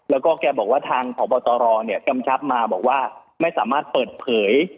และแบบว่าทางของปตรกำชับมาไม่สามารถเปิดเผย